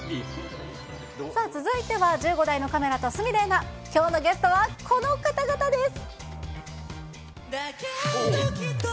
さあ、続いては１５台のカメラと鷲見玲奈、きょうのゲストはこの方々です。